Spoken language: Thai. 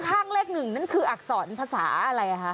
ข้างเลขหนึ่งนั่นคืออักษรภาษาอะไรคะ